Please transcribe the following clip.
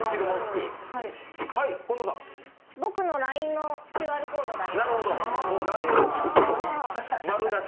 僕のＬＩＮＥのＱＲコードだよ。